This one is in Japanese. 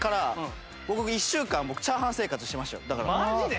マジで！？